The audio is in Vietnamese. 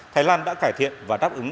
thái lan đã cải thiện và đáp ứng